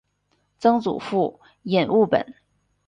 曾祖父尹务本。